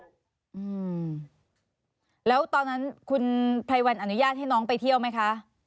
อืมแล้วตอนนั้นคุณไพรวันอนุญาตให้น้องไปเที่ยวไหมคะ